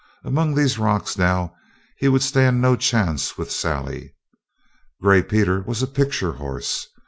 Among these rocks, now, he would stand no chance with Sally. Gray Peter was a picture horse.